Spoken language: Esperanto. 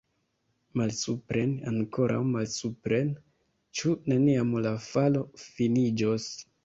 Malsupren, ankoraŭ malsupren! Ĉu neniam la falo finiĝos?